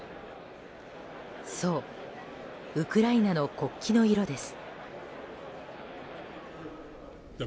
そう、ウクライナの国旗の色です。